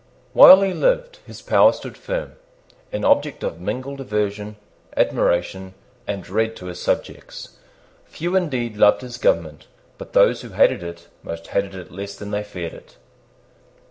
While he lived his power stood firm, an object of mingled aversion, admiration, and dread to his subjects. Few indeed loved his government; but those who hated it most hated it less than they feared it.